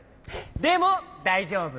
でもだいじょうぶ！